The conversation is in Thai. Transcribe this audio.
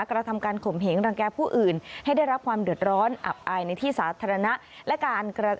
กระทำการข่มเหงรังแก่ผู้อื่นให้ได้รับความเดือดร้อนอับอายในที่สาธารณะและการกระทำ